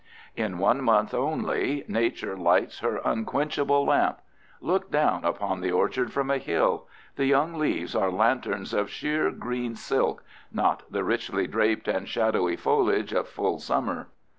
In one month only Nature lights her unquenchable lamp. Look down upon the orchard from a hill: the young leaves are lanterns of sheer green silk, not the richly draped and shadowy foliage of full summer.